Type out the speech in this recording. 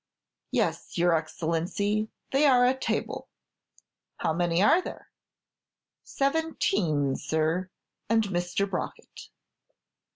"Yes, your Excellency, they are at table." "How many are there?" "Seventeen, sir, and Mr. Brockett."